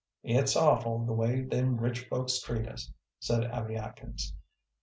"It's awful the way them rich folks treat us," said Abby Atkins.